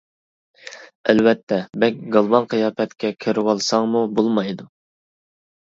ئەلۋەتتە، بەك گالۋاڭ قىياپەتكە كىرىۋالساڭمۇ بولمايدۇ.